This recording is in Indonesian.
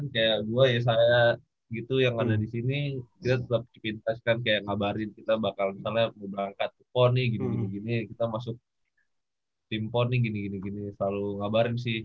kayak gue yesaya gitu yang ada disini kita tetep cipin tes kan kayak ngabarin kita bakal ntar lep ntar angkat poni gini gini gini kita masuk tim poni gini gini gini selalu ngabarin sih